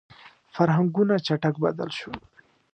• فرهنګونه چټک بدل شول.